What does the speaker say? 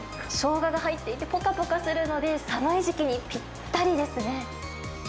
しょうがが入っていてぽかぽかするので、寒い時期にぴったりですね。